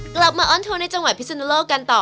กลับมาออนโทรในจังหวัดพิศนโลกันต่อ